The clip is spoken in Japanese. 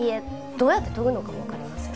どうやって研ぐのかもわかりません。